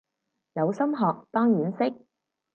有心學當然識